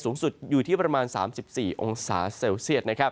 สูงสุดอยู่ที่ประมาณ๓๔องศาเซลเซียต